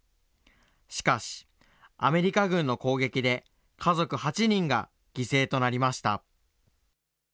しかし、アメリカ軍の攻撃で、家族８人が犠牲となりました。